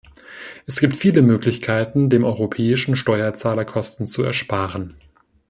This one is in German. Es gibt viele Möglichkeiten, dem europäischen Steuerzahler Kosten zu ersparen.